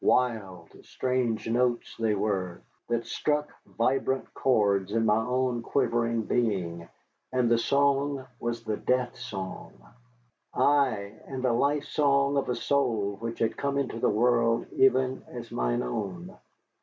Wild, strange notes they were, that struck vibrant chords in my own quivering being, and the song was the death song. Ay, and the life song of a soul which had come into the world even as mine own.